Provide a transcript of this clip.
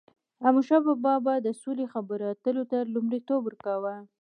احمدشاه بابا به د سولي خبرو ته لومړیتوب ورکاوه.